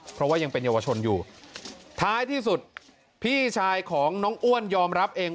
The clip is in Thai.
เพราะว่ายังเป็นเยาวชนอยู่ท้ายที่สุดพี่ชายของน้องอ้วนยอมรับเอง